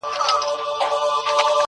د ځناورو په خوني ځنگل کي.